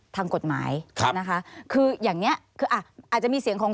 ทางกฎหมายครับนะคะคืออย่างเนี้ยคืออ่ะอาจจะมีเสียงของ